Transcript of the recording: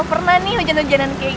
pernah nih hujan hujanan kayak gini